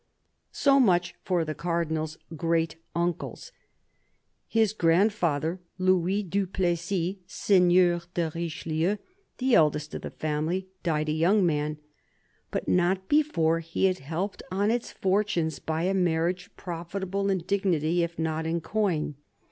So much for the Cardinal's great uncles. His grand father, Louis du Plessis, Seigneur de Richelieu, the eldest of the family, died a young man, but not before he had helped on its fortunes by a marriage profitable in dignity, if not in coin.